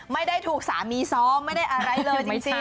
ไม่ได้ถูกสามีซ้อมไม่ได้อะไรเลยจริง